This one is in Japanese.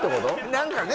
何かね